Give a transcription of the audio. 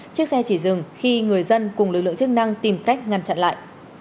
chiếc xe chỉ dừng khi người dân cùng lực lượng chức năng tìm cách ngăn chặn lại